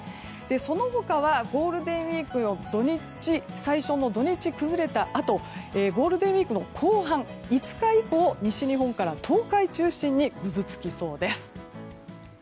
その他はゴールデンウィークの最初の土日崩れたあとにゴールデンウィーク後半の５日以降、西日本から東海中心にぐずつきそうです。